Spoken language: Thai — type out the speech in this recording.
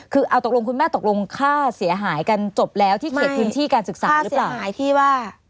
คือเอาตกลงคุณแม่ตกลงค่าเสียหายกันจบแล้วที่เขตพื้นที่การศึกษาหรือเปล่า